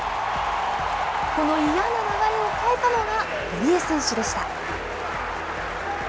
この嫌な流れを変えたのが堀江選手でした。